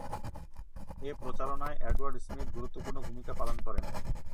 এ প্রচারণায় Edward Heath গুরুত্বপূর্ণ ভূমিকা পালন করেন।